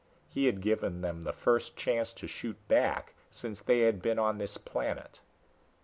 He had given them the first chance to shoot back since they had been on this planet.